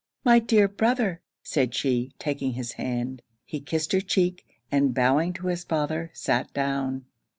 'My dear brother!' said she, taking his hand. He kissed her cheek; and bowing to his father, sat down.